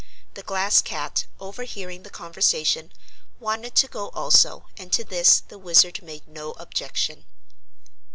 The Glass Cat, overhearing the conversation, wanted to go also and to this the Wizard made no objection.